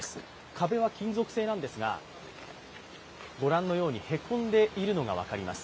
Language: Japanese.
壁は金属製なんですが、ご覧のようにへこんでいるのが分かります。